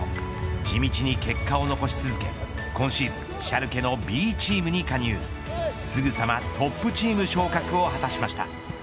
地道に結果を残し続け今シーズン、シャルケのＢチームに加入すぐさまステップアップを果たしました。